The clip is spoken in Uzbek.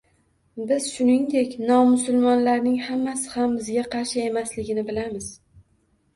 Biz shuningdek nomusulmonlarning hammasi ham bizga qarshi emasligini bilamiz